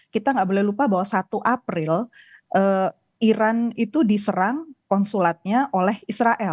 kita nggak boleh lupa bahwa satu april iran itu diserang konsulatnya oleh israel